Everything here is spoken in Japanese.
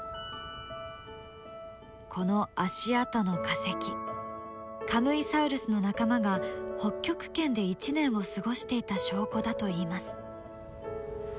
この足跡の化石カムイサウルスの仲間が北極圏で一年を過ごしていた証拠だといいます。